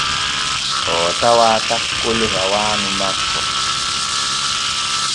Oo tawaa takkol rawaanu makko.